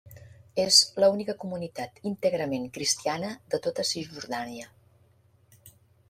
És l'única comunitat íntegrament cristiana de tota Cisjordània.